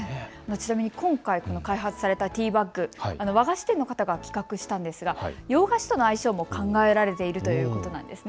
今回開発されたティーバッグ、和菓子店の方が企画したんですが洋菓子との相性も考えられているということなんですね。